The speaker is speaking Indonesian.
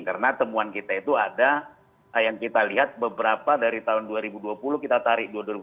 karena temuan kita itu ada yang kita lihat beberapa dari tahun dua ribu dua puluh kita tarik dua ribu dua puluh satu